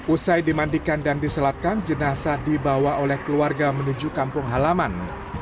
usai dimandikan dan diselatkan jenazah dibawa oleh keluarga menuju kampung halaman